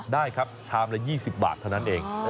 ได้ครับชามละ๒๐บาทเท่านั้นเอง